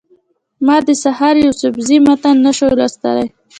ما د سحر یوسفزي متن نه شو لوستلی.